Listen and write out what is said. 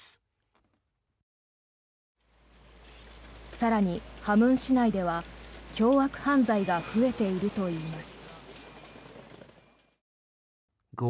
更に、咸興市内では凶悪犯罪が増えているといいます。